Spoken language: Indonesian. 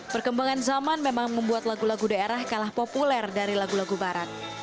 perkembangan zaman memang membuat lagu lagu daerah kalah populer dari lagu lagu barat